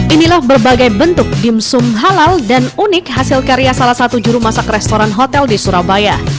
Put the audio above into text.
inilah berbagai bentuk dimsum halal dan unik hasil karya salah satu juru masak restoran hotel di surabaya